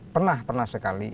pernah pernah sekali